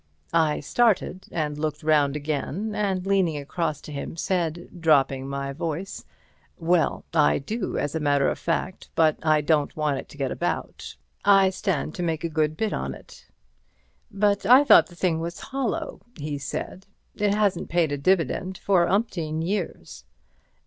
I started and looked round again, and leaning across to him, said, dropping my voice: "Well, I do, as a matter of fact, but I don't want it to get about. I stand to make a good bit on it." "But I thought the thing was hollow," he said; "it hasn't paid a dividend for umpteen years."